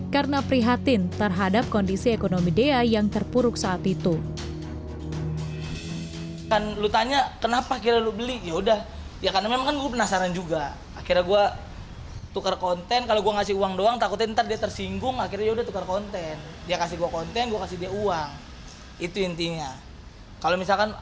karena prihatin terhadap kondisi ekonomi dea yang terpuruk saat itu